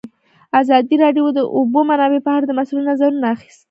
ازادي راډیو د د اوبو منابع په اړه د مسؤلینو نظرونه اخیستي.